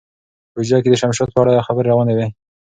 په حجره کې د شمشاد په اړه خبرې روانې وې.